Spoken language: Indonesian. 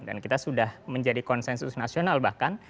dan kita sudah menjadi konsensus nasional bahkan